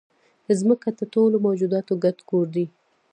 مځکه د ټولو موجوداتو ګډ کور دی.